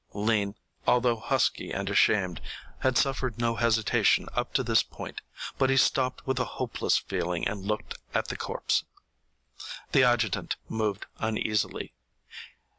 Lean, although husky and ashamed, had suffered no hesitation up to this point, but he stopped with a hopeless feeling and looked at the corpse. The adjutant moved uneasily.